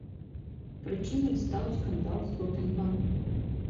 Прычынай стаў скандал з допінгам.